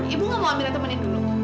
ibu gak mau ambil temenin dulu